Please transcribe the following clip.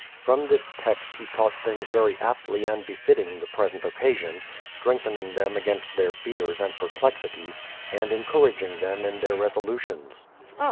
From this text he taught things very aptly and befitting the present occasion, — strengthening them against their fears and per plexities, and encouraging them in their resolutions.